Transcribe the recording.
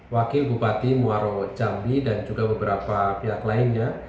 wakil bupati muaro jambi dan juga beberapa pihak lainnya